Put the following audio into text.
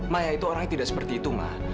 maya itu orang yang tidak seperti itu mak